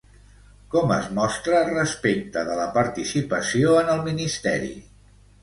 Com es mostra respecte de la participació en el Ministeri?